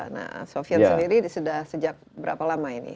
nah sofian sendiri sudah sejak berapa lama ini